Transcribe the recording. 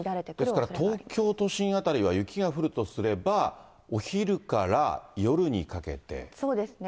ですから東京都心辺りは雪が降るとすれば、お昼から夜にかけそうですね。